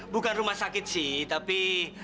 bukan rumah sakit sih tapi